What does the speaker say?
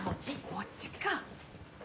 餅か！